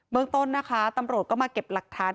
เมืองต้นนะคะตำรวจก็มาเก็บหลักฐาน